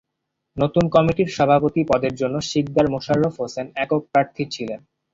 নতুন কমিটির সভাপতি পদের জন্য শিকদার মোশাররফ হোসেন একক প্রার্থী ছিলেন।